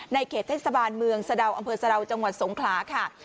เขตเทศบาลเมืองสะดาวอำเภอสะดาวจังหวัดสงขลาค่ะ